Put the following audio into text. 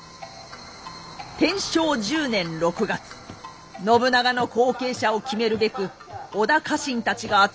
天正十年６月信長の後継者を決めるべく織田家臣たちが集まっておりました。